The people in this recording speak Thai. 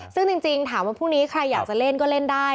ซึ่งจริงถามว่าพรุ่งนี้ใครอยากจะเล่นก็เล่นได้